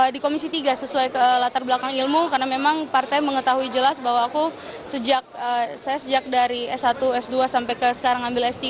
di komisi tiga sesuai latar belakang ilmu karena memang partai mengetahui jelas bahwa aku sejak saya sejak dari s satu s dua sampai ke sekarang ambil s tiga